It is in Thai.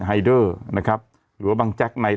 ไฮเดอร์นะครับหรือว่าบังแจ๊กใน